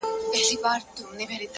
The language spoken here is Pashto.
هدف روښانه وي نو قدمونه سمېږي,